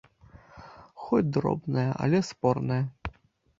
Хоць дробная, але спорная.